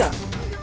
kamu mau jual lagi